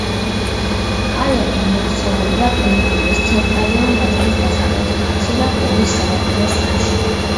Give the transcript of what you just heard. ალოფი მოქცეულია კუნძულის ცენტრალური ნაწილის დასავლეთით, მცირე ყურის სანაპირო ზოლში.